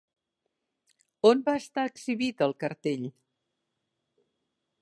On va estar exhibit el cartell?